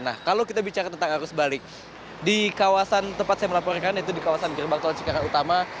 nah kalau kita bicara tentang arus balik di kawasan tempat saya melaporkan yaitu di kawasan gerbang tol cikarang utama